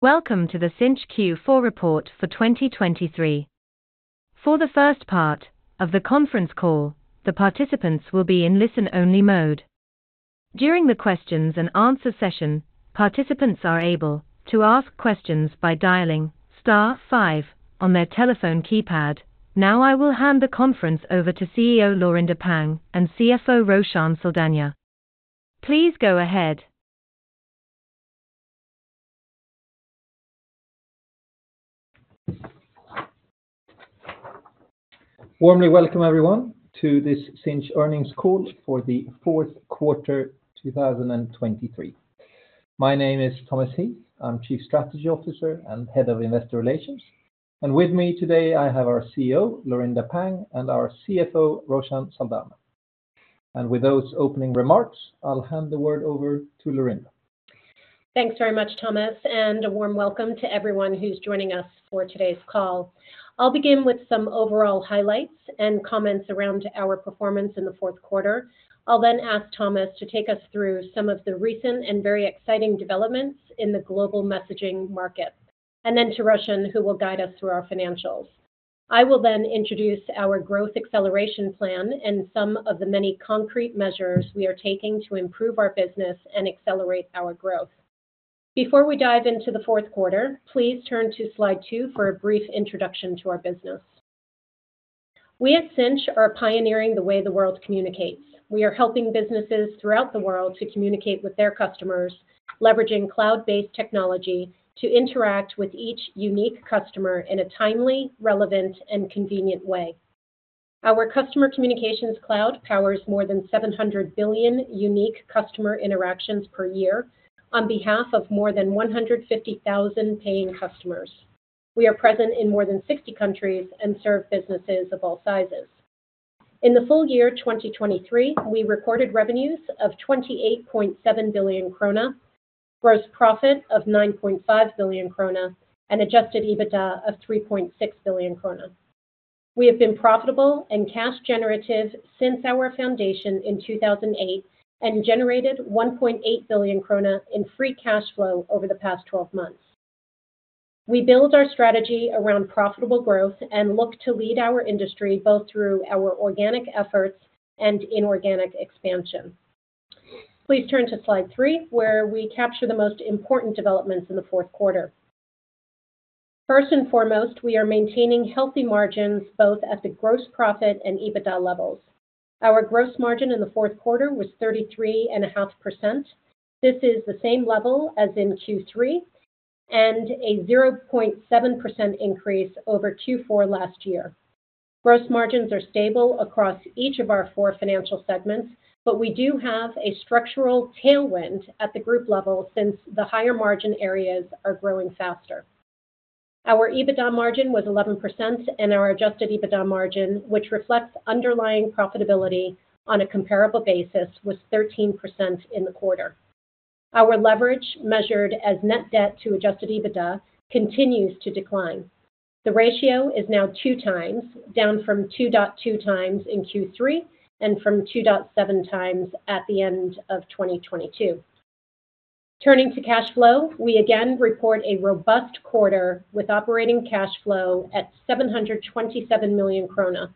Welcome to the Sinch Q4 report for 2023. For the first part of the conference call, the participants will be in listen-only mode. During the questions-and-answers session, participants are able to ask questions by dialing star 5 star on their telephone keypad. Now I will hand the conference over to CEO Laurinda Pang and CFO Roshan Saldanha. Please go ahead. Warmly welcome everyone to this Sinch earnings call for the fourth quarter 2023. My name is Thomas Heath, I'm Chief Strategy Officer and Head of Investor Relations, and with me today I have our CEO Laurinda Pang and our CFO Roshan Saldanha. With those opening remarks, I'll hand the word over to Laurinda. Thanks very much, Thomas, and a warm welcome to everyone who's joining us for today's call. I'll begin with some overall highlights and comments around our performance in the fourth quarter. I'll then ask Thomas to take us through some of the recent and very exciting developments in the global messaging market, and then to Roshan who will guide us through our financials. I will then introduce our growth acceleration plan and some of the many concrete measures we are taking to improve our business and accelerate our growth. Before we dive into the fourth quarter, please turn to slide 2 for a brief introduction to our business. We at Sinch are pioneering the way the world communicates. We are helping businesses throughout the world to communicate with their customers, leveraging cloud-based technology to interact with each unique customer in a timely, relevant, and convenient way. Our Customer Communications Cloud powers more than 700 billion unique customer interactions per year on behalf of more than 150,000 paying customers. We are present in more than 60 countries and serve businesses of all sizes. In the full year 2023, we recorded revenues of 28.7 billion krona, gross profit of 9.5 billion krona, and Adjusted EBITDA of 3.6 billion krona. We have been profitable and cash generative since our foundation in 2008 and generated 1.8 billion krona in Free Cash Flow over the past 12 months. We build our strategy around profitable growth and look to lead our industry both through our organic efforts and inorganic expansion. Please turn to slide three where we capture the most important developments in the fourth quarter. First and foremost, we are maintaining healthy margins both at the gross profit and EBITDA levels. Our gross margin in the fourth quarter was 33.5%. This is the same level as in Q3 and a 0.7% increase over Q4 last year. Gross margins are stable across each of our four financial segments, but we do have a structural tailwind at the group level since the higher margin areas are growing faster. Our EBITDA margin was 11% and our Adjusted EBITDA margin, which reflects underlying profitability on a comparable basis, was 13% in the quarter. Our leverage, measured as net debt to Adjusted EBITDA, continues to decline. The ratio is now 2 times, down from 2.2 times in Q3 and from 2.7 times at the end of 2022. Turning to cash flow, we again report a robust quarter with operating cash flow at 727 million krona.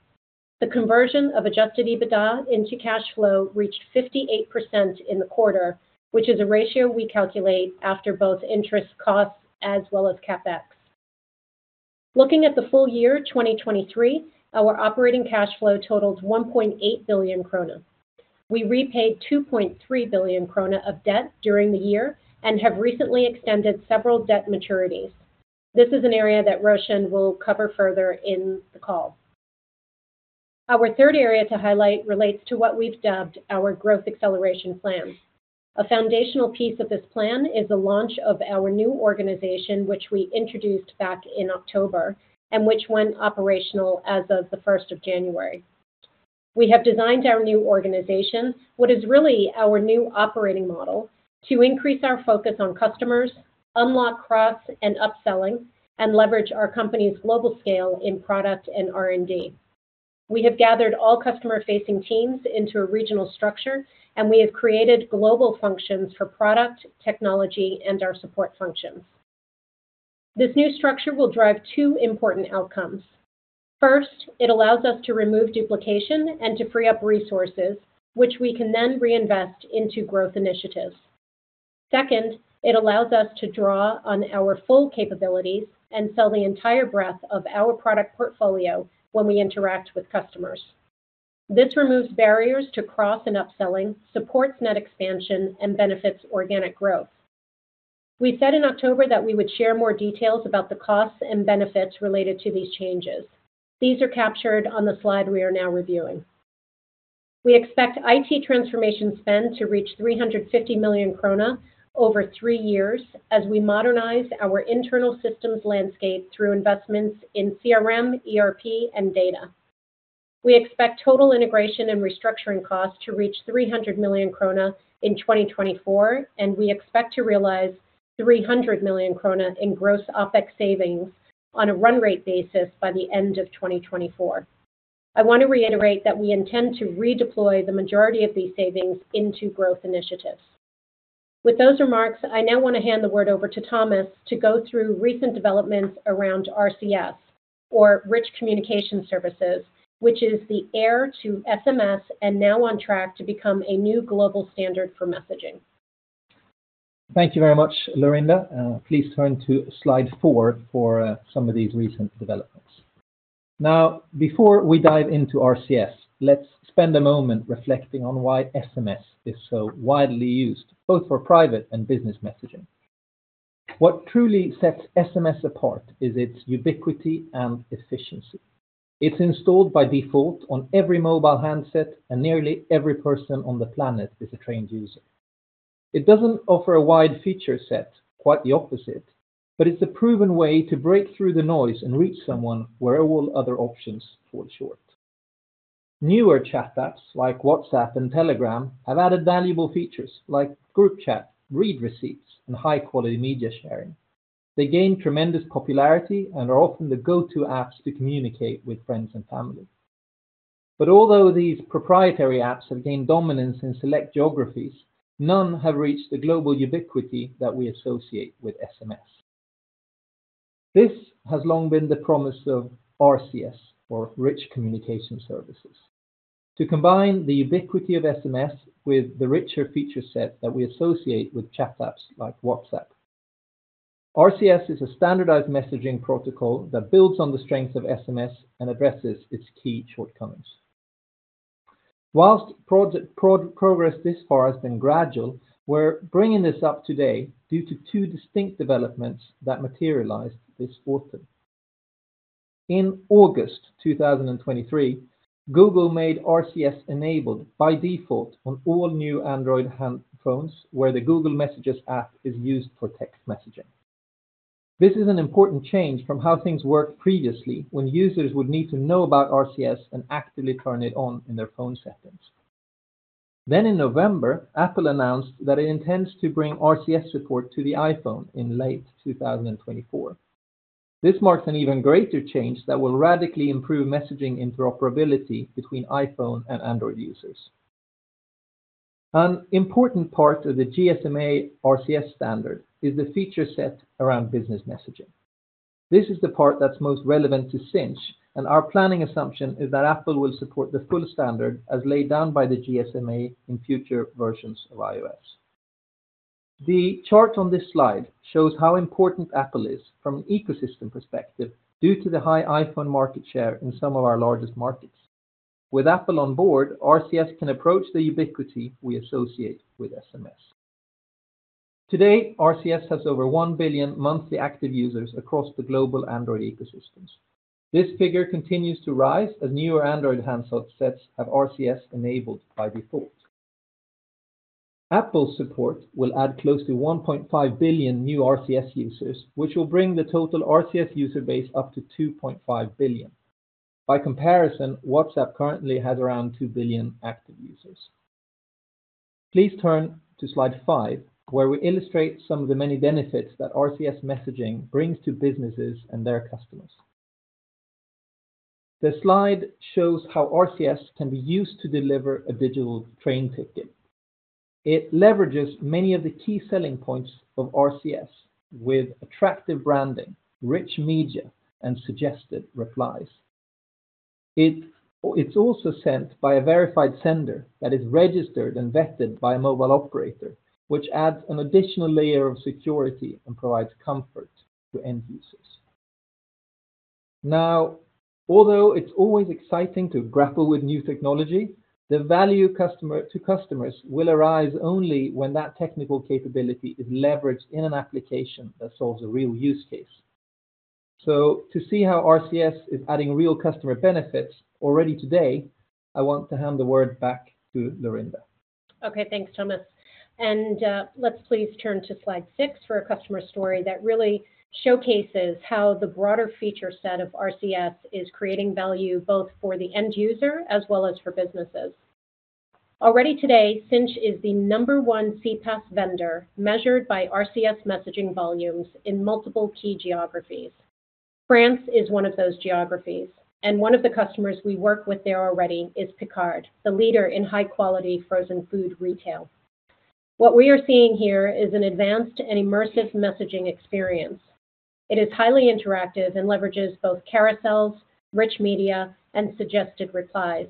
The conversion of Adjusted EBITDA into cash flow reached 58% in the quarter, which is a ratio we calculate after both interest, costs, as well as CapEx. Looking at the full year 2023, our Operating Cash Flow totaled 1.8 billion krona. We repaid 2.3 billion krona of debt during the year and have recently extended several debt maturities. This is an area that Roshan will cover further in the call. Our third area to highlight relates to what we've dubbed our growth acceleration plan. A foundational piece of this plan is the launch of our new organization, which we introduced back in October and which went operational as of the 1st of January. We have designed our new organization, what is really our new operating model, to increase our focus on customers, unlock cross and upselling, and leverage our company's global scale in product and R&D. We have gathered all customer-facing teams into a regional structure, and we have created global functions for product, technology, and our support functions. This new structure will drive two important outcomes. First, it allows us to remove duplication and to free up resources, which we can then reinvest into growth initiatives. Second, it allows us to draw on our full capabilities and sell the entire breadth of our product portfolio when we interact with customers. This removes barriers to cross and upselling, supports net expansion, and benefits organic growth. We said in October that we would share more details about the costs and benefits related to these changes. These are captured on the slide we are now reviewing. We expect IT transformation spend to reach 350 million krona over three years as we modernize our internal systems landscape through investments in CRM, ERP, and data. We expect total integration and restructuring costs to reach 300 million krona in 2024, and we expect to realize 300 million krona in gross OpEx savings on a run rate basis by the end of 2024. I want to reiterate that we intend to redeploy the majority of these savings into growth initiatives. With those remarks, I now want to hand the word over to Thomas to go through recent developments around RCS, or Rich Communication Services, which is the heir to SMS and now on track to become a new global standard for messaging. Thank you very much, Laurinda. Please turn to slide 4 for some of these recent developments. Now, before we dive into RCS, let's spend a moment reflecting on why SMS is so widely used, both for private and business messaging. What truly sets SMS apart is its ubiquity and efficiency. It's installed by default on every mobile handset, and nearly every person on the planet is a trained user. It doesn't offer a wide feature set, quite the opposite, but it's a proven way to break through the noise and reach someone where all other options fall short. Newer chat apps like WhatsApp and Telegram have added valuable features like group chat, read receipts, and high-quality media sharing. They gained tremendous popularity and are often the go-to apps to communicate with friends and family. Although these proprietary apps have gained dominance in select geographies, none have reached the global ubiquity that we associate with SMS. This has long been the promise of RCS, or Rich Communication Services, to combine the ubiquity of SMS with the richer feature set that we associate with chat apps like WhatsApp. RCS is a standardized messaging protocol that builds on the strengths of SMS and addresses its key shortcomings. While progress this far has been gradual, we're bringing this up today due to two distinct developments that materialized this autumn. In August 2023, Google made RCS enabled by default on all new Android phones where the Google Messages app is used for text messaging. This is an important change from how things worked previously when users would need to know about RCS and actively turn it on in their phone settings. In November, Apple announced that it intends to bring RCS support to the iPhone in late 2024. This marks an even greater change that will radically improve messaging interoperability between iPhone and Android users. An important part of the GSMA RCS standard is the feature set around business messaging. This is the part that's most relevant to Sinch, and our planning assumption is that Apple will support the full standard as laid down by the GSMA in future versions of iOS. The chart on this slide shows how important Apple is from an ecosystem perspective due to the high iPhone market share in some of our largest markets. With Apple on board, RCS can approach the ubiquity we associate with SMS. Today, RCS has over one billion monthly active users across the global Android ecosystems. This figure continues to rise as newer Android handsets have RCS enabled by default. Apple's support will add close to 1.5 billion new RCS users, which will bring the total RCS user base up to 2.5 billion. By comparison, WhatsApp currently has around 2 billion active users. Please turn to slide five, where we illustrate some of the many benefits that RCS messaging brings to businesses and their customers. The slide shows how RCS can be used to deliver a digital train ticket. It leverages many of the key selling points of RCS with attractive branding, rich media, and suggested replies. It's also sent by a verified sender that is registered and vetted by a mobile operator, which adds an additional layer of security and provides comfort to end users. Now, although it's always exciting to grapple with new technology, the value to customers will arise only when that technical capability is leveraged in an application that solves a real use case. So to see how RCS is adding real customer benefits already today, I want to hand the word back to Laurinda. Okay, thanks, Thomas. Let's please turn to slide 6 for a customer story that really showcases how the broader feature set of RCS is creating value both for the end user as well as for businesses. Already today, Sinch is the number one CPaaS vendor measured by RCS messaging volumes in multiple key geographies. France is one of those geographies, and one of the customers we work with there already is Picard, the leader in high-quality frozen food retail. What we are seeing here is an advanced and immersive messaging experience. It is highly interactive and leverages both carousels, rich media, and suggested replies.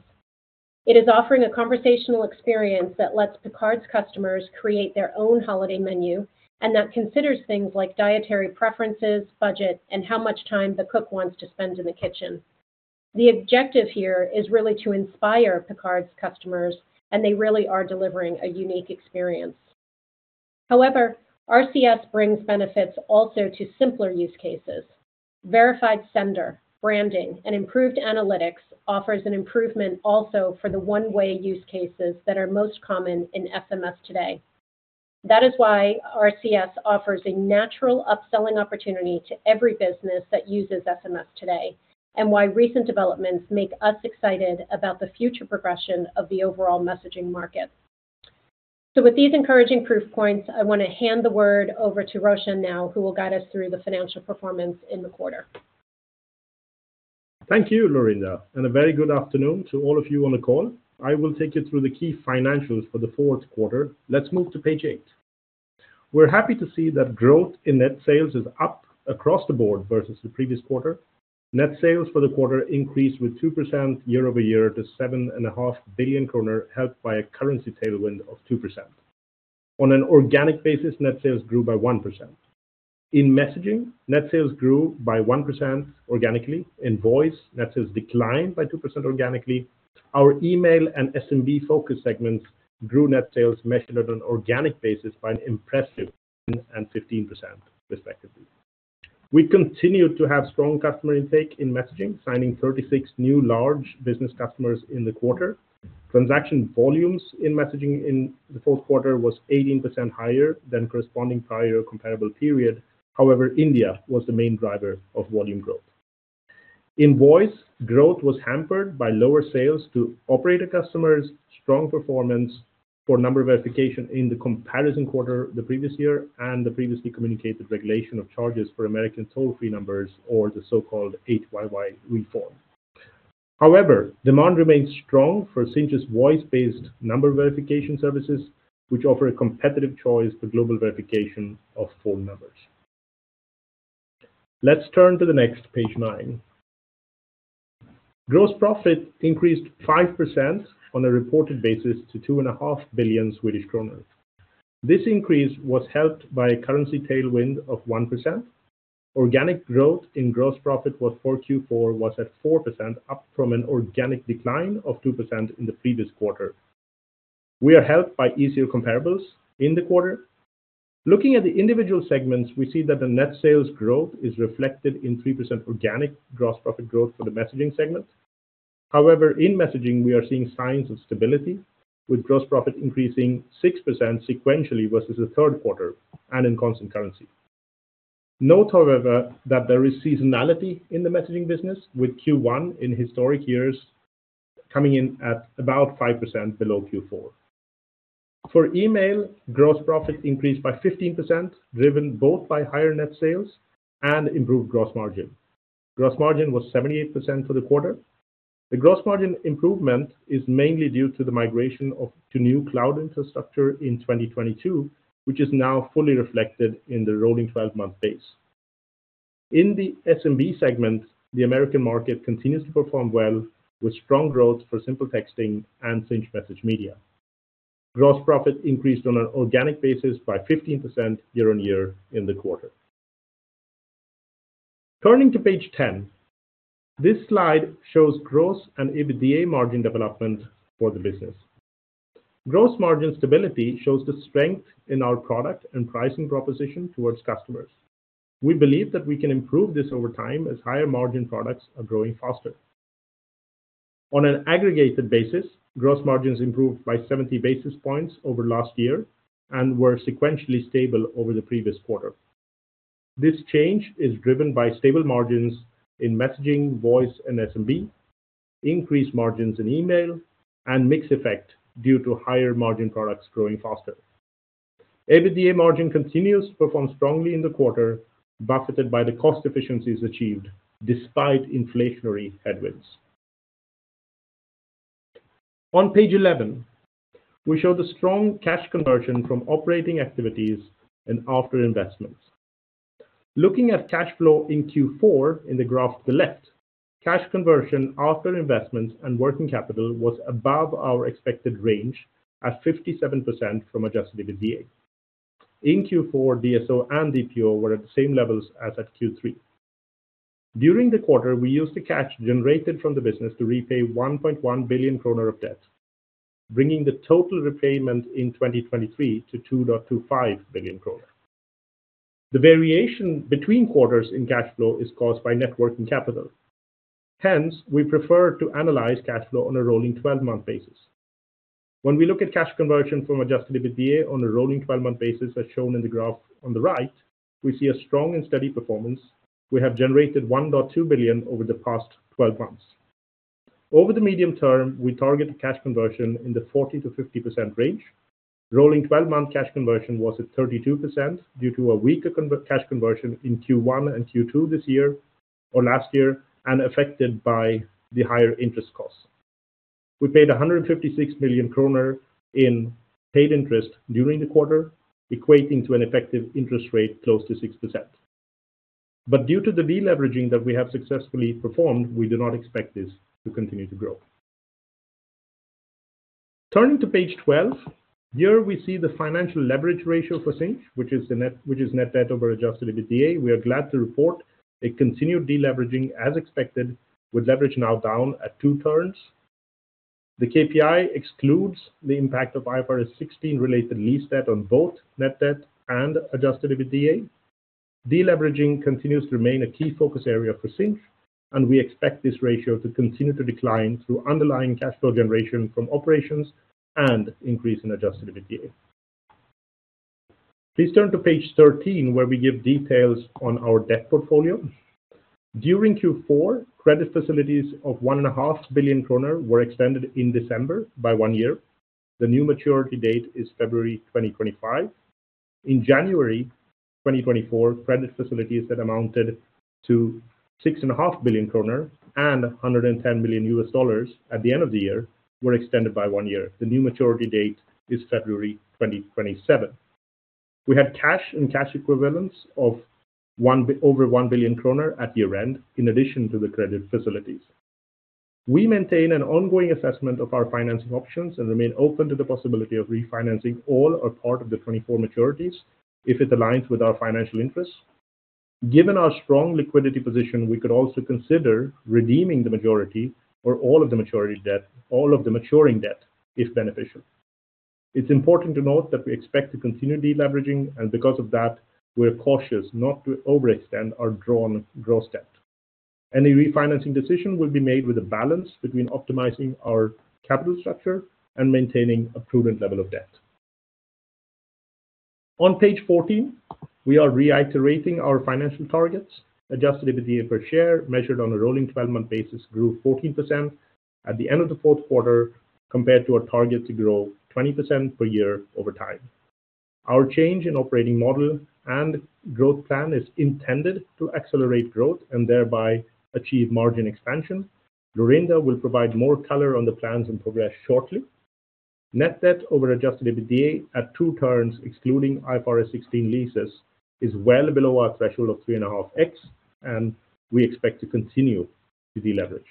It is offering a conversational experience that lets Picard's customers create their own holiday menu and that considers things like dietary preferences, budget, and how much time the cook wants to spend in the kitchen. The objective here is really to inspire Picard's customers, and they really are delivering a unique experience. However, RCS brings benefits also to simpler use cases. Verified sender, branding, and improved analytics offer an improvement also for the one-way use cases that are most common in SMS today. That is why RCS offers a natural upselling opportunity to every business that uses SMS today and why recent developments make us excited about the future progression of the overall messaging market. So with these encouraging proof points, I want to hand the word over to Roshan now, who will guide us through the financial performance in the quarter. Thank you, Laurinda, and a very good afternoon to all of you on the call. I will take you through the key financials for the fourth quarter. Let's move to page eight. We're happy to see that growth in net sales is up across the board versus the previous quarter. Net sales for the quarter increased with 2% year-over-year to 7.5 billion kronor, helped by a currency tailwind of 2%. On an organic basis, net sales grew by 1%. In messaging, net sales grew by 1% organically. In voice, net sales declined by 2% organically. Our email and SMB focus segments grew net sales measured on an organic basis by an impressive 10% and 15%, respectively. We continue to have strong customer intake in messaging, signing 36 new large business customers in the quarter. Transaction volumes in messaging in the fourth quarter were 18% higher than corresponding prior comparable period. However, India was the main driver of volume growth. In voice, growth was hampered by lower sales to operator customers, strong performance for number verification in the comparison quarter the previous year, and the previously communicated regulation of charges for American toll-free numbers, or the so-called 8YY Reform. However, demand remains strong for Sinch's voice-based number verification services, which offer a competitive choice for global verification of phone numbers. Let's turn to the next, page nine. Gross profit increased 5% on a reported basis to 2.5 billion Swedish kronor. This increase was helped by a currency tailwind of 1%. Organic growth in gross profit for Q4 was at 4%, up from an organic decline of 2% in the previous quarter. We are helped by easier comparables in the quarter. Looking at the individual segments, we see that the net sales growth is reflected in 3% organic gross profit growth for the messaging segment. However, in messaging, we are seeing signs of stability, with gross profit increasing 6% sequentially versus the third quarter and in constant currency. Note, however, that there is seasonality in the messaging business, with Q1 in historic years coming in at about 5% below Q4. For email, gross profit increased by 15%, driven both by higher net sales and improved gross margin. Gross margin was 78% for the quarter. The gross margin improvement is mainly due to the migration to new cloud infrastructure in 2022, which is now fully reflected in the rolling 12-month base. In the SMB segment, the American market continues to perform well, with strong growth for SimpleTexting and Sinch MessageMedia. Gross profit increased on an organic basis by 15% year-over-year in the quarter. Turning to page 10. This slide shows gross and EBITDA margin development for the business. Gross margin stability shows the strength in our product and pricing proposition towards customers. We believe that we can improve this over time as higher margin products are growing faster. On an aggregated basis, gross margins improved by 70 basis points over last year and were sequentially stable over the previous quarter. This change is driven by stable margins in messaging, voice, and SMB, increased margins in email, and mixed effect due to higher margin products growing faster. EBITDA margin continues to perform strongly in the quarter, buffeted by the cost efficiencies achieved despite inflationary headwinds. On page 11, we show the strong cash conversion from operating activities and after investments. Looking at cash flow in Q4 in the graph to the left, cash conversion after investments and working capital was above our expected range at 57% from Adjusted EBITDA. In Q4, DSO and DPO were at the same levels as at Q3. During the quarter, we used the cash generated from the business to repay 1.1 billion kronor of debt, bringing the total repayment in 2023 to 2.25 billion kronor. The variation between quarters in cash flow is caused by net working capital. Hence, we prefer to analyze cash flow on a rolling 12-month basis. When we look at cash conversion from Adjusted EBITDA on a rolling 12-month basis, as shown in the graph on the right, we see a strong and steady performance. We have generated 1.2 billion over the past 12 months. Over the medium term, we target a cash conversion in the 40%-50% range. Rolling 12-month cash conversion was at 32% due to a weaker cash conversion in Q1 and Q2 this year or last year, and affected by the higher interest costs. We paid 156 million kronor in paid interest during the quarter, equating to an effective interest rate close to 6%. But due to the deleveraging that we have successfully performed, we do not expect this to continue to grow. Turning to page 12. Here, we see the financial leverage ratio for Sinch, which is net debt over Adjusted EBITDA. We are glad to report a continued deleveraging as expected, with leverage now down at two turns. The KPI excludes the impact of IFRS 16-related lease debt on both net debt and Adjusted EBITDA. Deleveraging continues to remain a key focus area for Sinch, and we expect this ratio to continue to decline through underlying cash flow generation from operations and increase in Adjusted EBITDA. Please turn to page 13, where we give details on our debt portfolio. During Q4, credit facilities of 1.5 billion kronor were extended in December by one year. The new maturity date is February 2025. In January 2024, credit facilities that amounted to 6.5 billion kronor and $110 million at the end of the year were extended by one year. The new maturity date is February 2027. We had cash and cash equivalents of over 1 billion kronor at year-end, in addition to the credit facilities. We maintain an ongoing assessment of our financing options and remain open to the possibility of refinancing all or part of the 2024 maturities if it aligns with our financial interests. Given our strong liquidity position, we could also consider redeeming the majority or all of the maturity debt, all of the maturing debt, if beneficial. It's important to note that we expect to continue deleveraging, and because of that, we're cautious not to overextend our drawn gross debt. Any refinancing decision will be made with a balance between optimizing our capital structure and maintaining a prudent level of debt. On page 14, we are reiterating our financial targets. Adjusted EBITDA per share, measured on a rolling 12-month basis, grew 14% at the end of the fourth quarter compared to our target to grow 20% per year over time. Our change in operating model and growth plan is intended to accelerate growth and thereby achieve margin expansion. Laurinda will provide more color on the plans and progress shortly. Net debt over Adjusted EBITDA at 2 turns, excluding IFRS 16 leases, is well below our threshold of 3.5x, and we expect to continue to deleverage.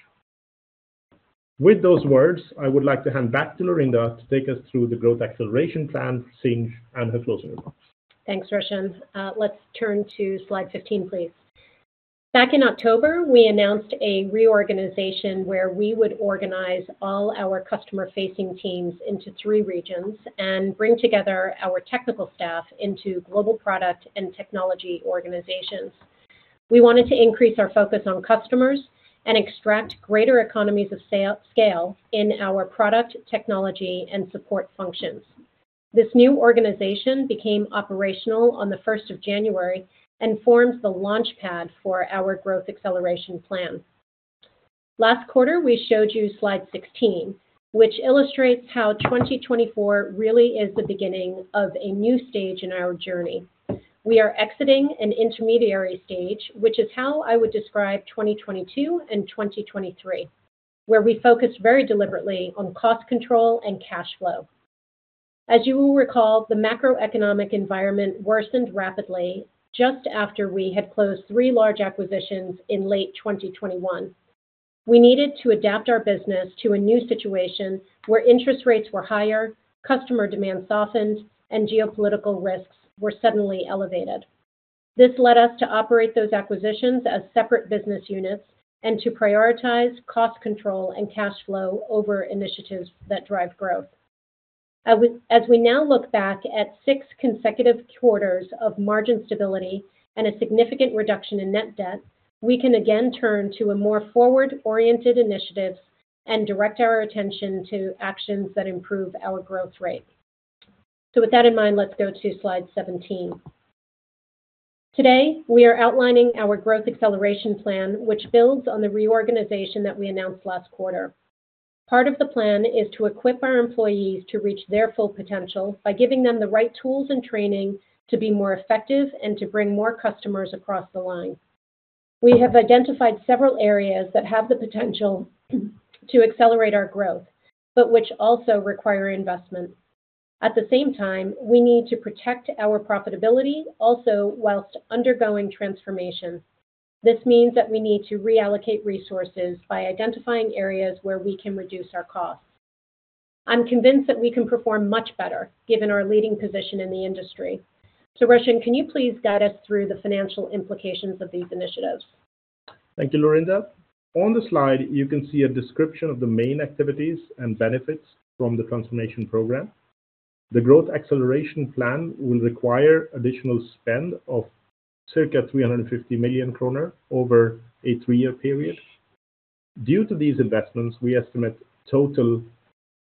With those words, I would like to hand back to Laurinda to take us through the growth acceleration plan for Sinch and her closing remarks. Thanks, Roshan. Let's turn to slide 15, please. Back in October, we announced a reorganization where we would organize all our customer-facing teams into three regions and bring together our technical staff into global product and technology organizations. We wanted to increase our focus on customers and extract greater economies of scale in our product, technology, and support functions. This new organization became operational on the 1st of January and forms the launchpad for our growth acceleration plan. Last quarter, we showed you slide 16, which illustrates how 2024 really is the beginning of a new stage in our journey. We are exiting an intermediary stage, which is how I would describe 2022 and 2023, where we focused very deliberately on cost control and cash flow. As you will recall, the macroeconomic environment worsened rapidly just after we had closed three large acquisitions in late 2021. We needed to adapt our business to a new situation where interest rates were higher, customer demand softened, and geopolitical risks were suddenly elevated. This led us to operate those acquisitions as separate business units and to prioritize cost control and cash flow over initiatives that drive growth. As we now look back at six consecutive quarters of margin stability and a significant reduction in net debt, we can again turn to more forward-oriented initiatives and direct our attention to actions that improve our growth rate. So with that in mind, let's go to slide 17. Today, we are outlining our growth acceleration plan, which builds on the reorganization that we announced last quarter. Part of the plan is to equip our employees to reach their full potential by giving them the right tools and training to be more effective and to bring more customers across the line. We have identified several areas that have the potential to accelerate our growth but which also require investment. At the same time, we need to protect our profitability also while undergoing transformation. This means that we need to reallocate resources by identifying areas where we can reduce our costs. I'm convinced that we can perform much better given our leading position in the industry. So, Roshan, can you please guide us through the financial implications of these initiatives? Thank you, Laurinda. On the slide, you can see a description of the main activities and benefits from the transformation program. The growth acceleration plan will require additional spend of circa 350 million kronor over a three-year period. Due to these investments, we estimate total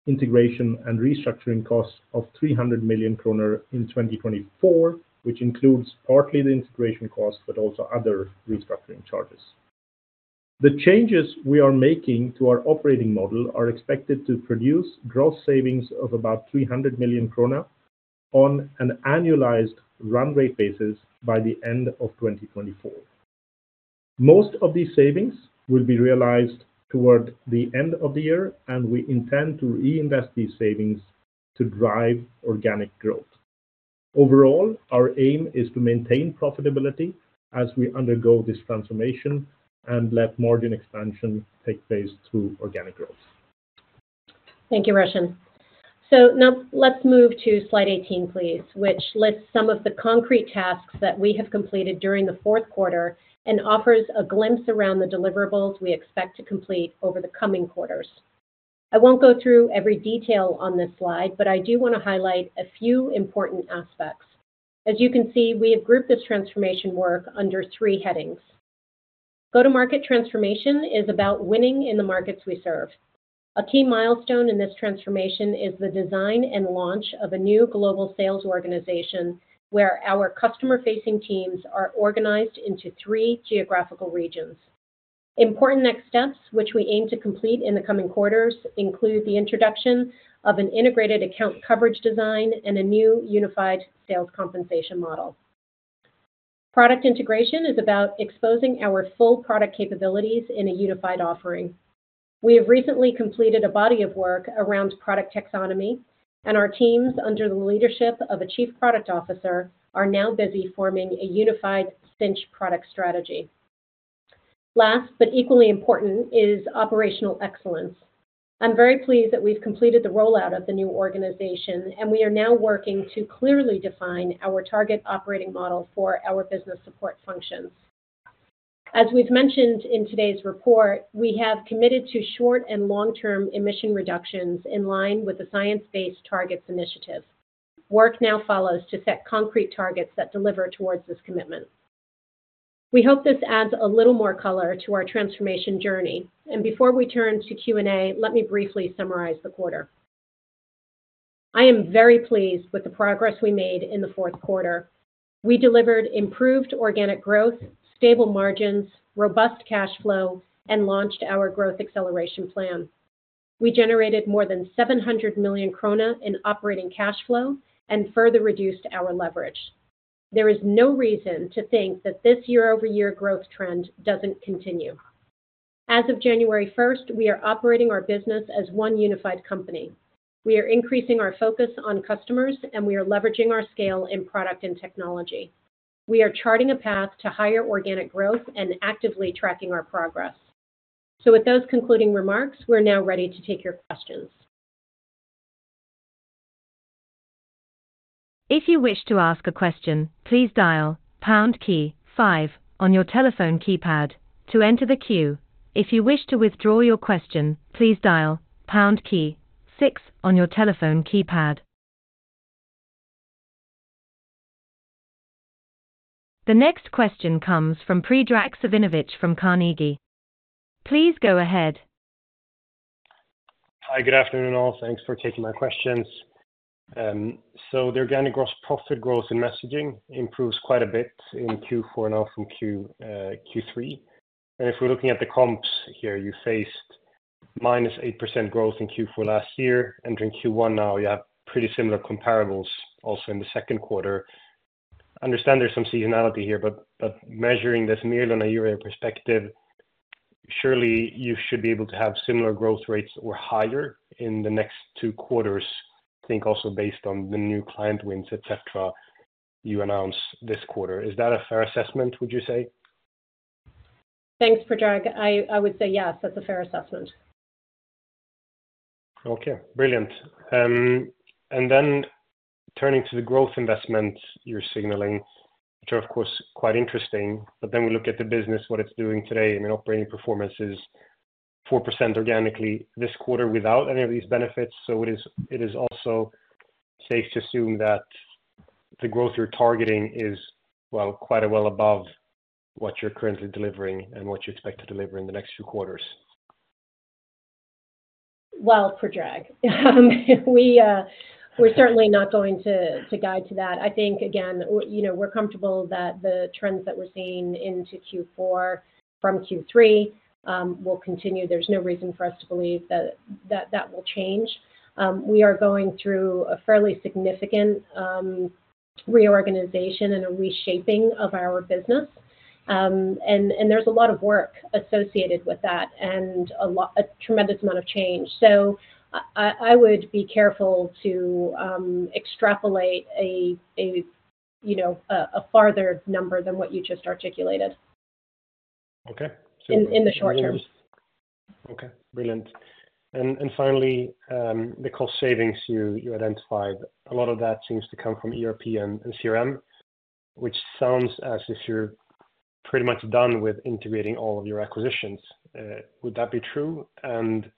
integration and restructuring costs of 300 million kronor in 2024, which includes partly the integration costs but also other restructuring charges. The changes we are making to our operating model are expected to produce gross savings of about 300 million krona on an annualized run rate basis by the end of 2024. Most of these savings will be realized toward the end of the year, and we intend to reinvest these savings to drive organic growth. Overall, our aim is to maintain profitability as we undergo this transformation and let margin expansion take place through organic growth. Thank you, Roshan. So now let's move to slide 18, please, which lists some of the concrete tasks that we have completed during the fourth quarter and offers a glimpse around the deliverables we expect to complete over the coming quarters. I won't go through every detail on this slide, but I do want to highlight a few important aspects. As you can see, we have grouped this transformation work under three headings. Go-to-market transformation is about winning in the markets we serve. A key milestone in this transformation is the design and launch of a new global sales organization where our customer-facing teams are organized into three geographical regions. Important next steps, which we aim to complete in the coming quarters, include the introduction of an integrated account coverage design and a new unified sales compensation model. Product integration is about exposing our full product capabilities in a unified offering. We have recently completed a body of work around product taxonomy, and our teams, under the leadership of a chief product officer, are now busy forming a unified Sinch product strategy. Last but equally important is operational excellence. I'm very pleased that we've completed the rollout of the new organization, and we are now working to clearly define our target operating model for our business support functions. As we've mentioned in today's report, we have committed to short and long-term emission reductions in line with the Science Based Targets initiative. Work now follows to set concrete targets that deliver towards this commitment. We hope this adds a little more color to our transformation journey. Before we turn to Q&A, let me briefly summarize the quarter. I am very pleased with the progress we made in the fourth quarter. We delivered improved organic growth, stable margins, robust cash flow, and launched our growth acceleration plan. We generated more than 700 million krona in operating cash flow and further reduced our leverage. There is no reason to think that this year-over-year growth trend doesn't continue. As of January 1st, we are operating our business as one unified company. We are increasing our focus on customers, and we are leveraging our scale in product and technology. We are charting a path to higher organic growth and actively tracking our progress. With those concluding remarks, we're now ready to take your questions. If you wish to ask a question, please dial pound key 5 on your telephone keypad to enter the queue. If you wish to withdraw your question, please dial pound key 6 on your telephone keypad. The next question comes from Predrag Savinovic from Carnegie. Please go ahead. Hi, good afternoon all. Thanks for taking my questions. So their gross profit growth in messaging improves quite a bit in Q4 and also in Q3. And if we're looking at the comps here, you faced -8% growth in Q4 last year. Entering Q1 now, you have pretty similar comparables also in the second quarter. I understand there's some seasonality here, but measuring this merely on a year-over-year perspective, surely you should be able to have similar growth rates or higher in the next two quarters, I think also based on the new client wins, etc., you announced this quarter. Is that a fair assessment, would you say? Thanks, Predrag. I would say yes, that's a fair assessment. Okay, brilliant. And then turning to the growth investments you're signaling, which are, of course, quite interesting, but then we look at the business, what it's doing today. I mean, operating performance is 4% organically this quarter without any of these benefits. So it is also safe to assume that the growth you're targeting is, well, quite well above what you're currently delivering and what you expect to deliver in the next few quarters. Well, Predrag, we're certainly not going to guide to that. I think, again, we're comfortable that the trends that we're seeing into Q4 from Q3 will continue. There's no reason for us to believe that that will change. We are going through a fairly significant reorganization and a reshaping of our business, and there's a lot of work associated with that and a tremendous amount of change. So I would be careful to extrapolate a farther number than what you just articulated in the short term. Okay, brilliant. And finally, the cost savings you identified, a lot of that seems to come from ERP and CRM, which sounds as if you're pretty much done with integrating all of your acquisitions. Would that be true? And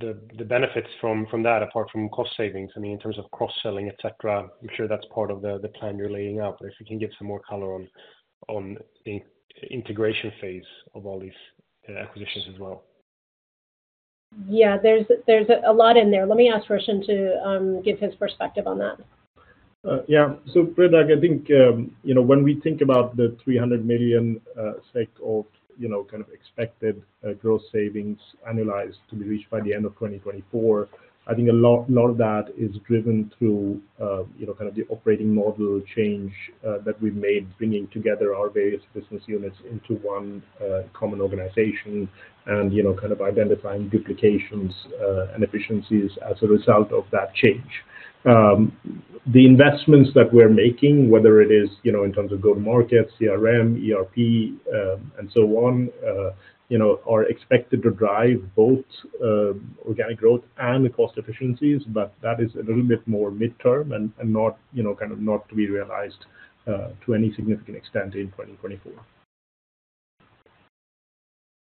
the benefits from that, apart from cost savings, I mean, in terms of cross-selling, etc., I'm sure that's part of the plan you're laying out. But if you can give some more color on the integration phase of all these acquisitions as well. Yeah, there's a lot in there. Let me ask Roshan to give his perspective on that. Yeah. So, Predrag, I think when we think about the 300 million SEK of kind of expected growth savings annualized to be reached by the end of 2024, I think a lot of that is driven through kind of the operating model change that we've made, bringing together our various business units into one common organization and kind of identifying duplications and efficiencies as a result of that change. The investments that we're making, whether it is in terms of go-to-market, CRM, ERP, and so on, are expected to drive both organic growth and cost efficiencies, but that is a little bit more mid-term and kind of not to be realized to any significant extent in 2024.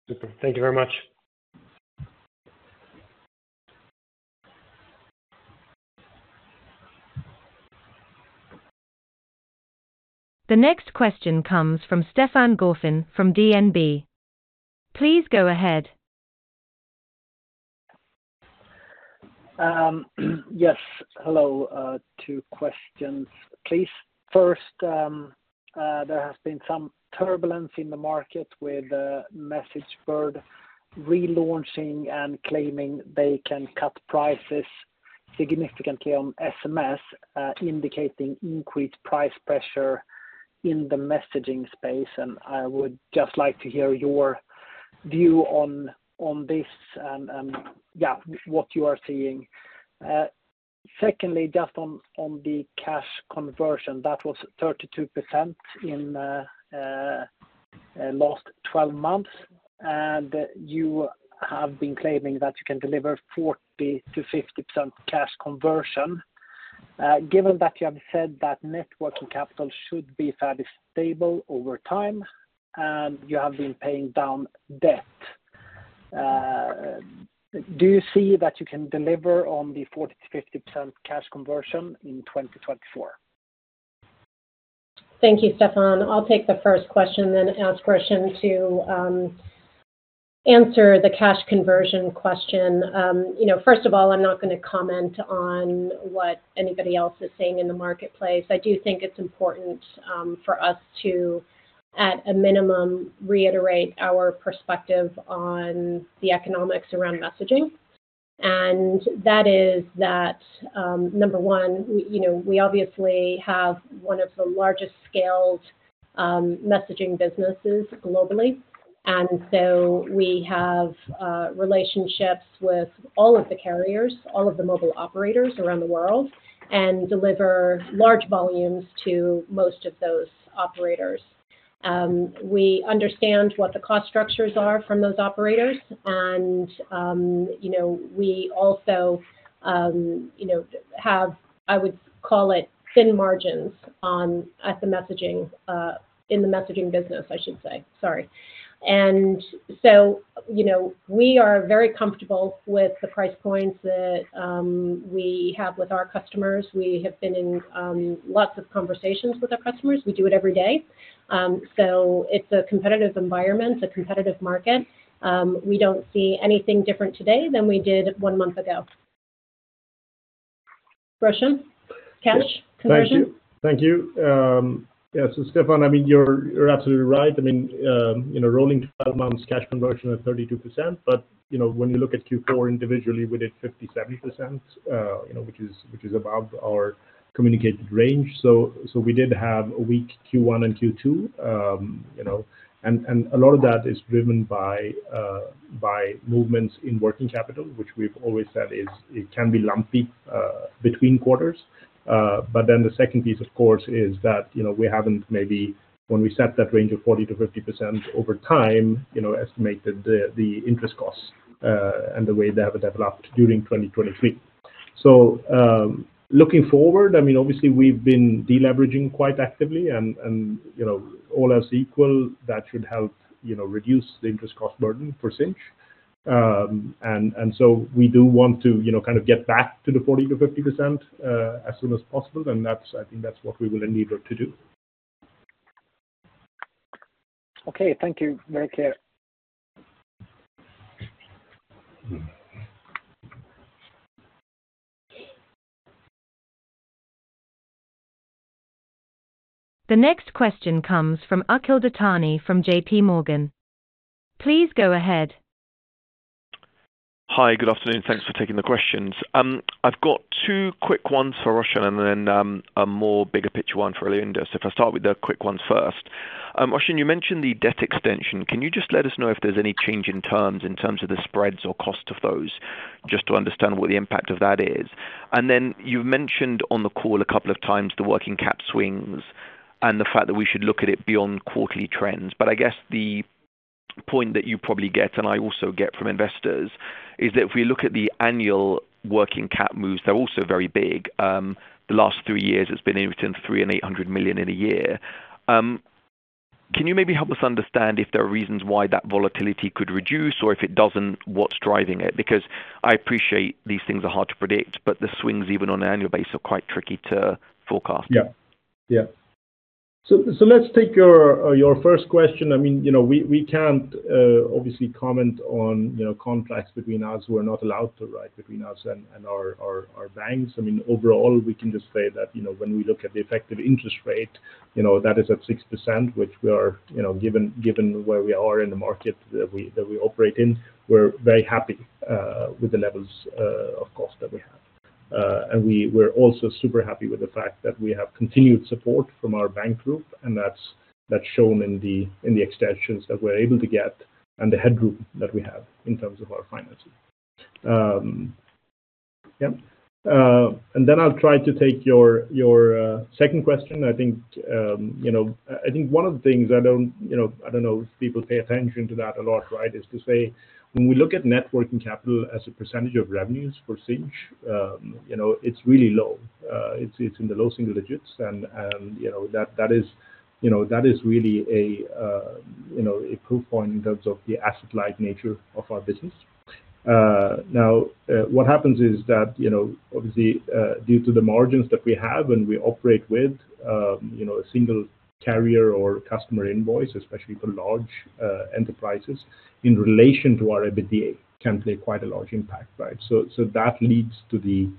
Super. Thank you very much. The next question comes from Stefan Gauffin fromm DNB. Please go ahead. Yes. Hello. Two questions, please. First, there has been some turbulence in the market with MessageBird relaunching and claiming they can cut prices significantly on SMS, indicating increased price pressure in the messaging space. I would just like to hear your view on this and, yeah, what you are seeing. Secondly, just on the cash conversion, that was 32% in the last 12 months. You have been claiming that you can deliver 40%-50% cash conversion. Given that you have said that net working capital should be fairly stable over time, and you have been paying down debt, do you see that you can deliver on the 40%-50% cash conversion in 2024? Thank you, Stefan. I'll take the first question, then ask Roshan to answer the cash conversion question. First of all, I'm not going to comment on what anybody else is saying in the marketplace. I do think it's important for us to, at a minimum, reiterate our perspective on the economics around messaging. That is that, number one, we obviously have one of the largest-scaled messaging businesses globally. So we have relationships with all of the carriers, all of the mobile operators around the world, and deliver large volumes to most of those operators. We understand what the cost structures are from those operators, and we also have, I would call it, thin margins in the messaging business, I should say. Sorry. So we are very comfortable with the price points that we have with our customers. We have been in lots of conversations with our customers. We do it every day. So it's a competitive environment, a competitive market. We don't see anything different today than we did one month ago. Roshan, cash conversion? Thank you. Thank you. Yeah. So, Stefan, I mean, you're absolutely right. I mean, rolling 12 months cash conversion at 32%, but when you look at Q4 individually, we did 57%, which is above our communicated range. So we did have a weak Q1 and Q2. And a lot of that is driven by movements in working capital, which we've always said can be lumpy between quarters. But then the second piece, of course, is that we haven't maybe, when we set that range of 40%-50% over time, estimated the interest costs and the way they have developed during 2023. So looking forward, I mean, obviously, we've been deleveraging quite actively. And all else equal, that should help reduce the interest cost burden for Sinch. And so we do want to kind of get back to the 40%-50% as soon as possible. I think that's what we will endeavor to do. Okay. Thank you, Verike. The next question comes from Akhil Dattani from JP Morgan. Please go ahead. Hi. Good afternoon. Thanks for taking the questions. I've got two quick ones for Roshan and then a more bigger picture one for Laurinda. If I start with the quick ones first. Roshan, you mentioned the debt extension. Can you just let us know if there's any change in terms in terms of the spreads or cost of those, just to understand what the impact of that is? And then you've mentioned on the call a couple of times the working cap swings and the fact that we should look at it beyond quarterly trends. I guess the point that you probably get, and I also get from investors, is that if we look at the annual working cap moves, they're also very big. The last three years, it's been in between 3 million and 800 million in a year. Can you maybe help us understand if there are reasons why that volatility could reduce, or if it doesn't, what's driving it? Because I appreciate these things are hard to predict, but the swings, even on an annual basis, are quite tricky to forecast. Yeah. Yeah. So let's take your first question. I mean, we can't obviously comment on contracts between us. We're not allowed to, right, between us and our banks. I mean, overall, we can just say that when we look at the effective interest rate, that is at 6%, which, given where we are in the market that we operate in, we're very happy with the levels of cost that we have. And we're also super happy with the fact that we have continued support from our bank group, and that's shown in the extensions that we're able to get and the headroom that we have in terms of our financing. Yeah. And then I'll try to take your second question. I think one of the things I don't know if people pay attention to that a lot, right, is to say when we look at net working capital as a percentage of revenues for Sinch, it's really low. It's in the low single digits. That is really a proof point in terms of the asset-like nature of our business. Now, what happens is that, obviously, due to the margins that we have and we operate with a single carrier or customer invoice, especially for large enterprises, in relation to our EBITDA can play quite a large impact, right? So that leads to the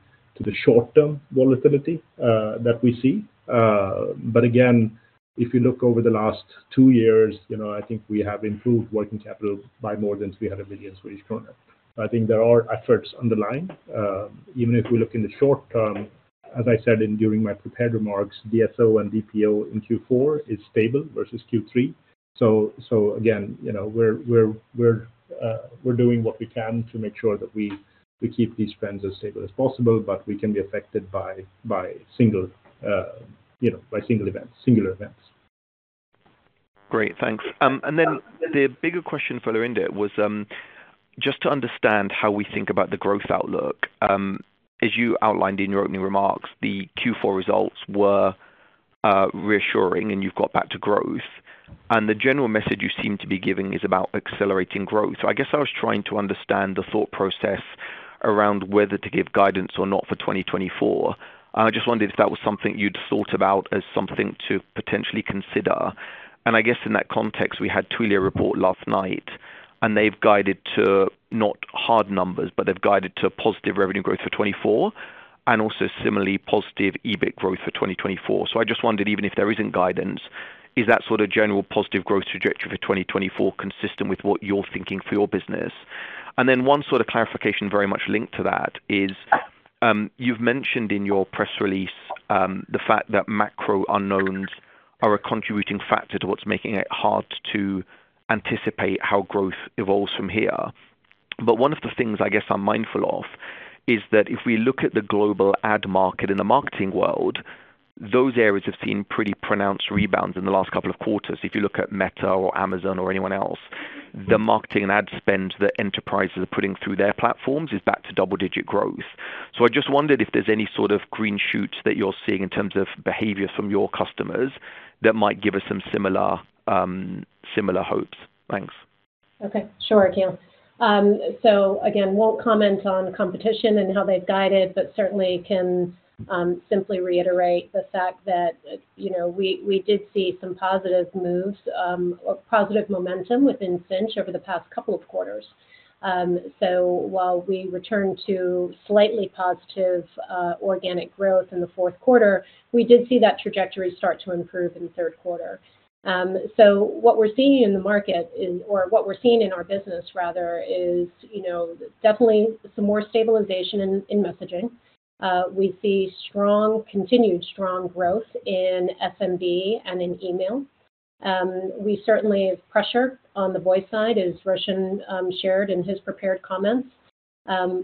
short-term volatility that we see. But again, if you look over the last two years, I think we have improved working capital by more than 300 million Swedish kronor. So I think there are efforts underlying. Even if we look in the short term, as I said during my prepared remarks, DSO and DPO in Q4 is stable versus Q3. So again, we're doing what we can to make sure that we keep these trends as stable as possible, but we can be affected by single events, singular events. Great. Thanks. And then the bigger question for Laurinda was just to understand how we think about the growth outlook. As you outlined in your opening remarks, the Q4 results were reassuring, and you've got back to growth. And the general message you seem to be giving is about accelerating growth. So I guess I was trying to understand the thought process around whether to give guidance or not for 2024. And I just wondered if that was something you'd thought about as something to potentially consider. And I guess in that context, we had Twilio report last night, and they've guided to not hard numbers, but they've guided to positive revenue growth for 2024 and also similarly positive EBIT growth for 2024. So I just wondered, even if there isn't guidance, is that sort of general positive growth trajectory for 2024 consistent with what you're thinking for your business? And then one sort of clarification very much linked to that is you've mentioned in your press release the fact that macro unknowns are a contributing factor to what's making it hard to anticipate how growth evolves from here. But one of the things I guess I'm mindful of is that if we look at the global ad market in the marketing world, those areas have seen pretty pronounced rebounds in the last couple of quarters. If you look at Meta or Amazon or anyone else, the marketing and ad spend that enterprises are putting through their platforms is back to double-digit growth. So I just wondered if there's any sort of green shoots that you're seeing in terms of behavior from your customers that might give us some similar hopes. Thanks. Okay. Sure, Akhil. So again, won't comment on competition and how they've guided, but certainly can simply reiterate the fact that we did see some positive moves or positive momentum within Sinch over the past couple of quarters. So while we returned to slightly positive organic growth in the fourth quarter, we did see that trajectory start to improve in the third quarter. So what we're seeing in the market is or what we're seeing in our business, rather, is definitely some more stabilization in messaging. We see continued strong growth in SMB and in email. We certainly have pressure on the voice side, as Roshan shared in his prepared comments.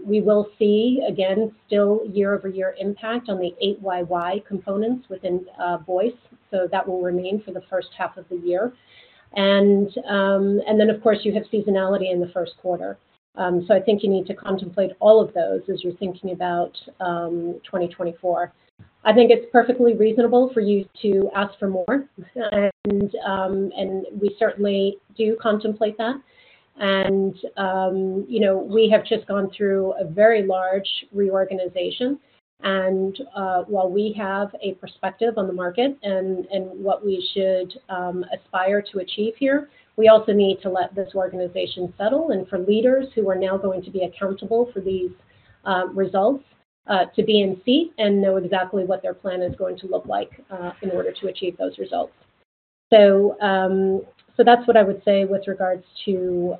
We will see, again, still year-over-year impact on the 8YY components within voice. So that will remain for the first half of the year. And then, of course, you have seasonality in the first quarter. So I think you need to contemplate all of those as you're thinking about 2024. I think it's perfectly reasonable for you to ask for more. We certainly do contemplate that. We have just gone through a very large reorganization. While we have a perspective on the market and what we should aspire to achieve here, we also need to let this organization settle and for leaders who are now going to be accountable for these results to be in seat and know exactly what their plan is going to look like in order to achieve those results. So that's what I would say with regards to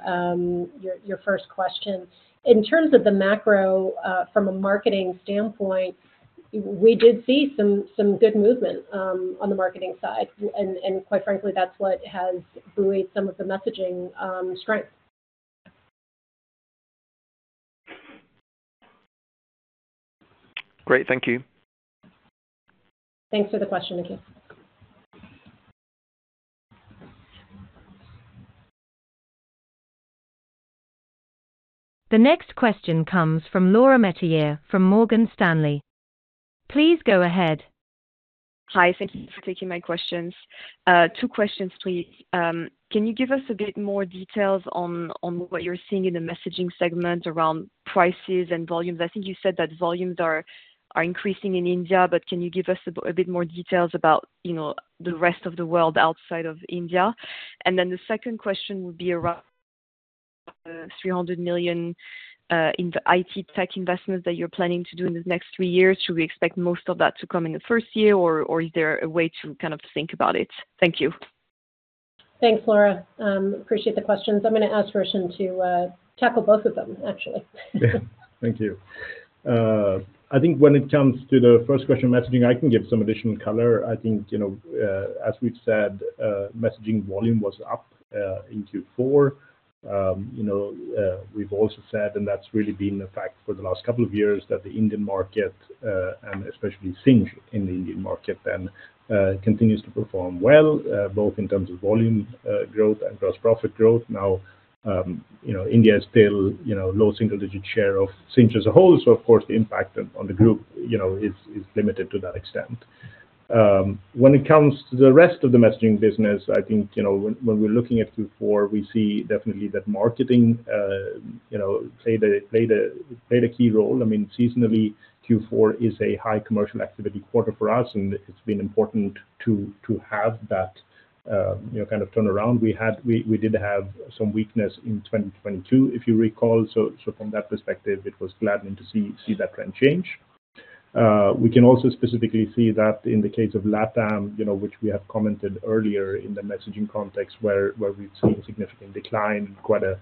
your first question. In terms of the macro, from a marketing standpoint, we did see some good movement on the marketing side. Quite frankly, that's what has buoyed some of the messaging strength. Great. Thank you. Thanks for the question, Akhil. The next question comes from Laura Metayer from Morgan Stanley. Please go ahead. Hi. Thank you for taking my questions. Two questions, please. Can you give us a bit more details on what you're seeing in the messaging segment around prices and volumes? I think you said that volumes are increasing in India, but can you give us a bit more details about the rest of the world outside of India? And then the second question would be around the 300 million in the IT tech investment that you're planning to do in the next three years. Should we expect most of that to come in the first year, or is there a way to kind of think about it? Thank you. Thanks, Laura. Appreciate the questions. I'm going to ask Roshan to tackle both of them, actually. Yeah. Thank you. I think when it comes to the first question, messaging, I can give some additional color. I think, as we've said, messaging volume was up in Q4. We've also said, and that's really been a fact for the last couple of years, that the Indian market, and especially Sinch in the Indian market, then continues to perform well, both in terms of volume growth and gross profit growth. Now, India is still low single-digit share of Sinch as a whole. So, of course, the impact on the group is limited to that extent. When it comes to the rest of the messaging business, I think when we're looking at Q4, we see definitely that marketing played a key role. I mean, seasonally, Q4 is a high commercial activity quarter for us, and it's been important to have that kind of turnaround. We did have some weakness in 2022, if you recall. So from that perspective, it was gladdening to see that trend change. We can also specifically see that in the case of LATAM, which we have commented earlier in the messaging context where we've seen significant decline and quite a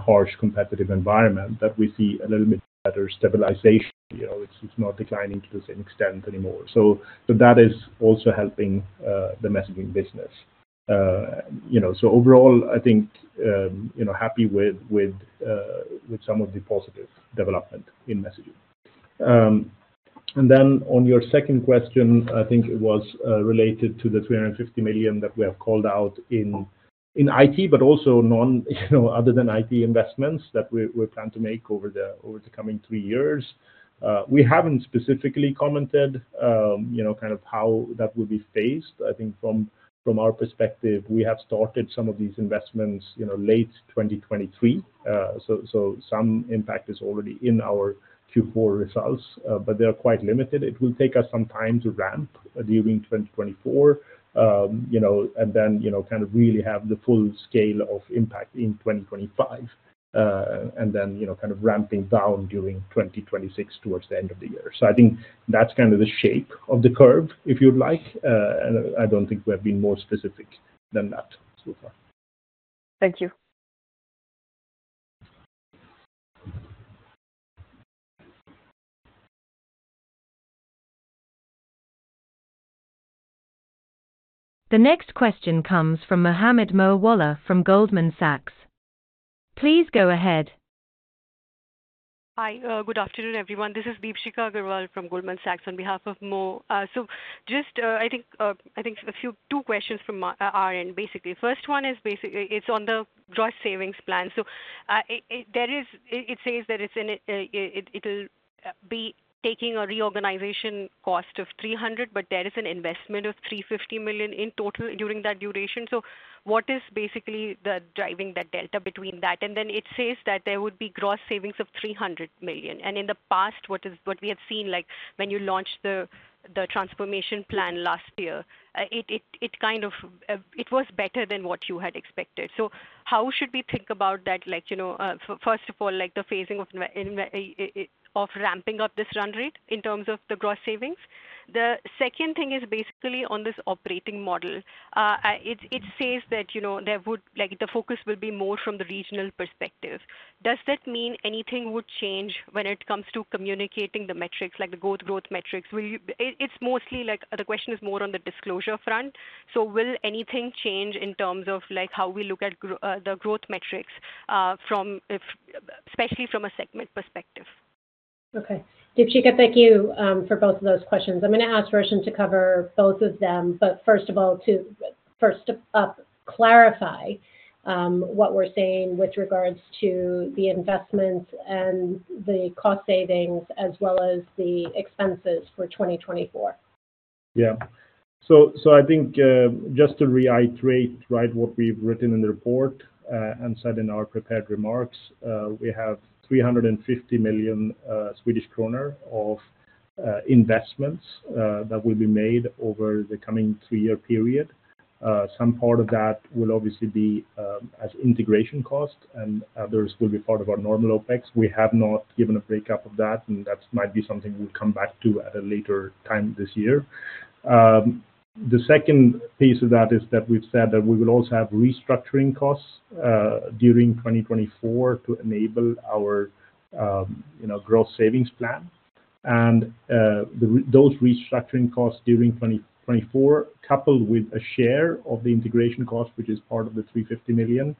harsh competitive environment, that we see a little bit better stabilization. It's not declining to the same extent anymore. So that is also helping the messaging business. So overall, I think happy with some of the positive development in messaging. And then on your second question, I think it was related to the 350 million that we have called out in IT, but also other than IT investments that we plan to make over the coming three years. We haven't specifically commented kind of how that will be phased. I think from our perspective, we have started some of these investments late 2023. So some impact is already in our Q4 results, but they are quite limited. It will take us some time to ramp during 2024 and then kind of really have the full scale of impact in 2025 and then kind of ramping down during 2026 towards the end of the year. So I think that's kind of the shape of the curve, if you'd like. And I don't think we have been more specific than that so far. Thank you. The next question comes from Mohammed Moawalla from Goldman Sachs. Please go ahead. Hi. Good afternoon, everyone. This is Deepshikha Agarwal from Goldman Sachs on behalf of Mo. So just I think a few two questions from our end, basically. First one is basically it's on the gross savings plan. So it says that it'll be taking a reorganization cost of 300 million, but there is an investment of 350 million in total during that duration. So what is basically driving that delta between that? And then it says that there would be gross savings of 300 million. And in the past, what we have seen, like when you launched the transformation plan last year, it kind of it was better than what you had expected. So how should we think about that? First of all, the phasing of ramping up this run rate in terms of the gross savings. The second thing is basically on this operating model. It says that there would the focus will be more from the regional perspective. Does that mean anything would change when it comes to communicating the metrics, like the growth metrics? It's mostly like the question is more on the disclosure front. So will anything change in terms of how we look at the growth metrics, especially from a segment perspective? Okay. Deepshikha, thank you for both of those questions. I'm going to ask Roshan to cover both of them. But first of all, to first up, clarify what we're saying with regards to the investments and the cost savings as well as the expenses for 2024. Yeah. So I think just to reiterate, right, what we've written in the report and said in our prepared remarks, we have 350 million Swedish kronor of investments that will be made over the coming three-year period. Some part of that will obviously be as integration cost, and others will be part of our normal OpEx. We have not given a breakdown of that, and that might be something we'll come back to at a later time this year. The second piece of that is that we've said that we will also have restructuring costs during 2024 to enable our gross savings plan. And those restructuring costs during 2024, coupled with a share of the integration cost, which is part of the 350 million,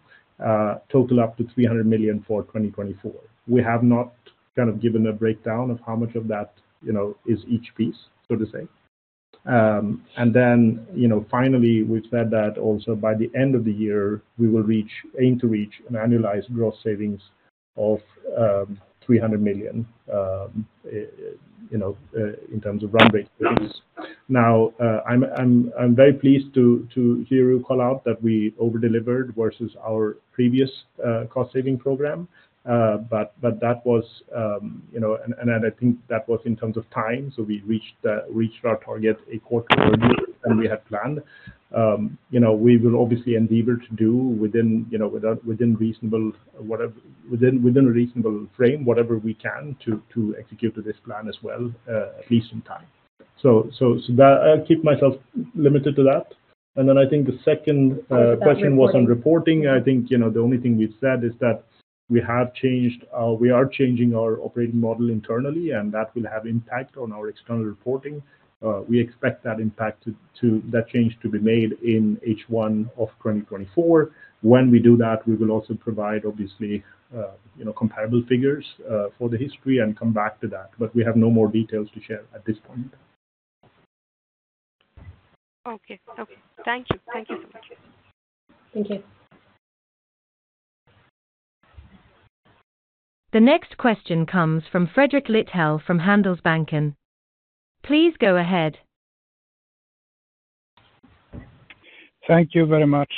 total up to 300 million for 2024. We have not kind of given a breakdown of how much of that is each piece, so to say. Then finally, we've said that also by the end of the year, we will aim to reach an annualized gross savings of 300 million in terms of run rate savings. Now, I'm very pleased to hear you call out that we overdelivered versus our previous cost-saving program. But that was and I think that was in terms of time. So we reached our target a quarter earlier than we had planned. We will obviously endeavor to do within reasonable frame, whatever we can, to execute this plan as well, at least in time. So I'll keep myself limited to that. Then I think the second question was on reporting. I think the only thing we've said is that we have changed we are changing our operating model internally, and that will have impact on our external reporting. We expect that change to be made in H1 of 2024. When we do that, we will also provide, obviously, comparable figures for the history and come back to that. But we have no more details to share at this point. Okay. Okay. Thank you. Thank you so much. Thank you. The next question comes from Fredrik Lithell from Handelsbanken. Please go ahead. Thank you very much.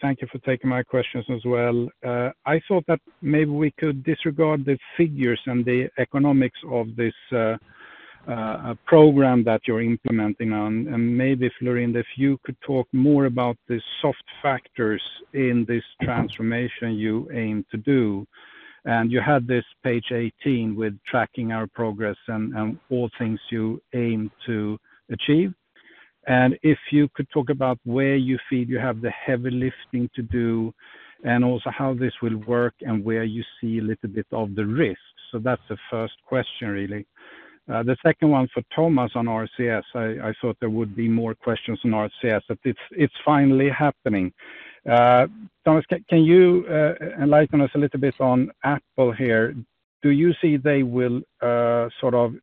Thank you for taking my questions as well. I thought that maybe we could disregard the figures and the economics of this program that you're implementing. And maybe, Laurinda, if you could talk more about the soft factors in this transformation you aim to do. And you had this page 18 with tracking our progress and all things you aim to achieve. And if you could talk about where you feel you have the heavy lifting to do and also how this will work and where you see a little bit of the risks. So that's the first question, really. The second one for Thomas on RCS. I thought there would be more questions on RCS, but it's finally happening. Thomas, can you enlighten us a little bit on Apple here? Do you see they will sort of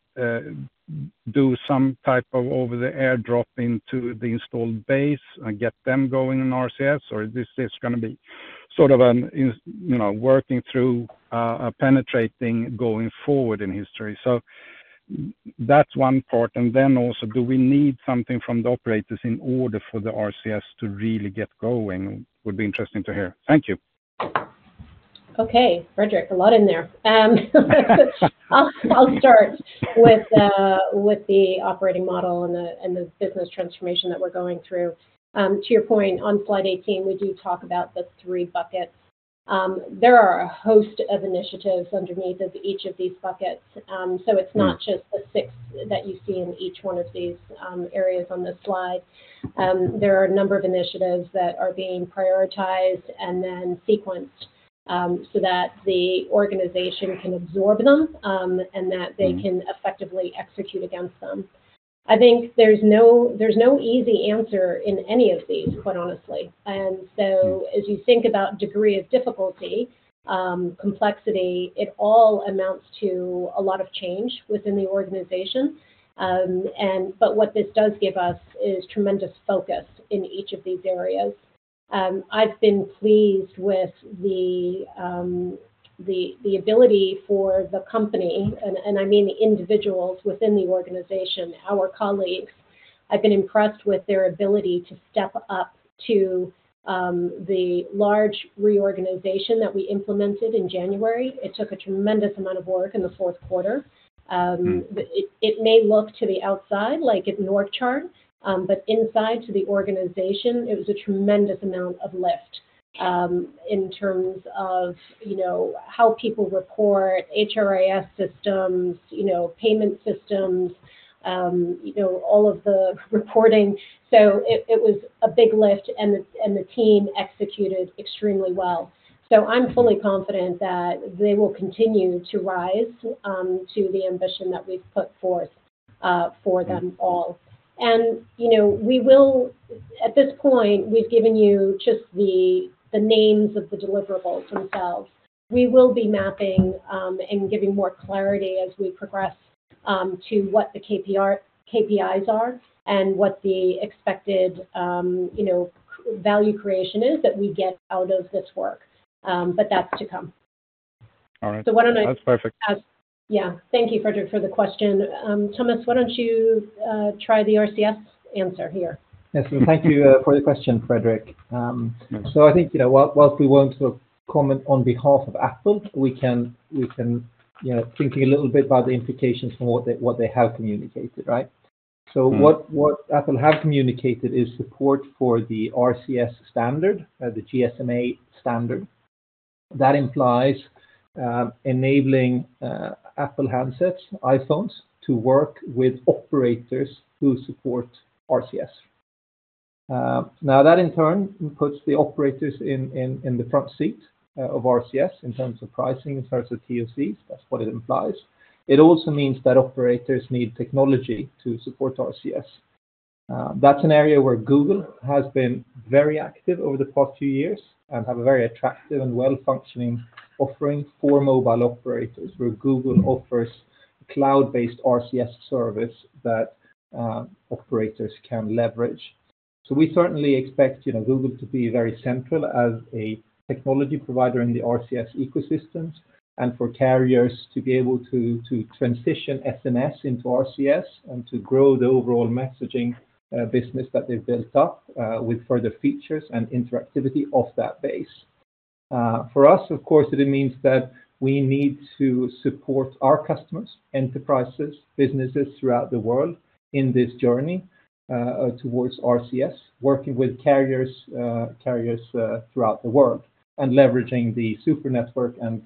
do some type of over-the-air drop into the installed base and get them going on RCS? Or is this going to be sort of a working through, a penetrating going forward in history? So that's one part. And then also, do we need something from the operators in order for the RCS to really get going? Would be interesting to hear. Thank you. Okay, Fredrik, a lot in there. I'll start with the operating model and the business transformation that we're going through. To your point, on slide 18, we do talk about the three buckets. There are a host of initiatives underneath of each of these buckets. So it's not just the six that you see in each one of these areas on this slide. There are a number of initiatives that are being prioritized and then sequenced so that the organization can absorb them and that they can effectively execute against them. I think there's no easy answer in any of these, quite honestly. And so as you think about degree of difficulty, complexity, it all amounts to a lot of change within the organization. But what this does give us is tremendous focus in each of these areas. I've been pleased with the ability for the company and I mean the individuals within the organization, our colleagues. I've been impressed with their ability to step up to the large reorganization that we implemented in January. It took a tremendous amount of work in the fourth quarter. It may look to the outside like an org chart, but inside to the organization, it was a tremendous amount of lift in terms of how people report, HRIS systems, payment systems, all of the reporting. So it was a big lift, and the team executed extremely well. So I'm fully confident that they will continue to rise to the ambition that we've put forth for them all. And we will at this point, we've given you just the names of the deliverables themselves. We will be mapping and giving more clarity as we progress to what the KPIs are and what the expected value creation is that we get out of this work. But that's to come. So why don't I? All right. That's perfect. Yeah. Thank you, Fredrik, for the question. Thomas, why don't you try the RCS answer here? Yes. Well, thank you for the question, Fredrik. So I think while we won't sort of comment on behalf of Apple, we can think a little bit about the implications from what they have communicated, right? So what Apple have communicated is support for the RCS standard, the GSMA standard. That implies enabling Apple handsets, iPhones, to work with operators who support RCS. Now, that in turn puts the operators in the front seat of RCS in terms of pricing, in terms of TOCs. That's what it implies. It also means that operators need technology to support RCS. That's an area where Google has been very active over the past few years and have a very attractive and well-functioning offering for mobile operators where Google offers a cloud-based RCS service that operators can leverage. So we certainly expect Google to be very central as a technology provider in the RCS ecosystems and for carriers to be able to transition SMS into RCS and to grow the overall messaging business that they've built up with further features and interactivity off that base. For us, of course, it means that we need to support our customers, enterprises, businesses throughout the world in this journey towards RCS, working with carriers throughout the world and leveraging the Super Network and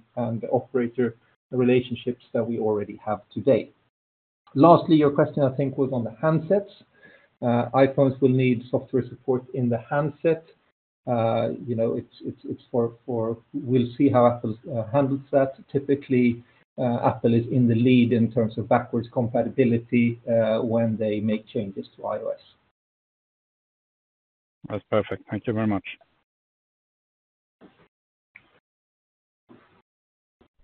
operator relationships that we already have today. Lastly, your question, I think, was on the handsets. iPhones will need software support in the handset. We'll see how Apple handles that. Typically, Apple is in the lead in terms of backwards compatibility when they make changes to iOS. That's perfect. Thank you very much.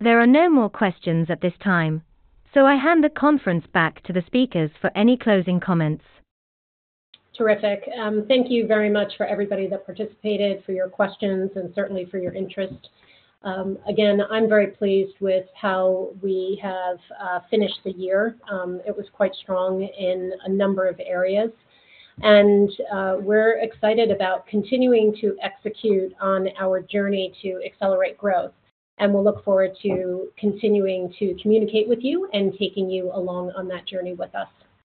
There are no more questions at this time, so I hand the conference back to the speakers for any closing comments. Terrific. Thank you very much for everybody that participated, for your questions, and certainly for your interest. Again, I'm very pleased with how we have finished the year. It was quite strong in a number of areas. We're excited about continuing to execute on our journey to accelerate growth. We'll look forward to continuing to communicate with you and taking you along on that journey with us.